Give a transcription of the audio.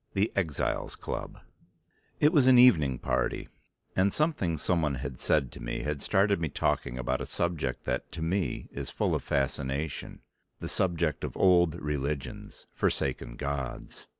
The Exiles Club It was an evening party; and something someone had said to me had started me talking about a subject that to me is full of fascination, the subject of old religions, forsaken gods.